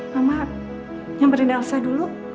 mama nyamperin elsa dulu